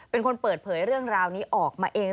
เป็นคนเปิดเผยเรื่องราวนี้ออกมาเอง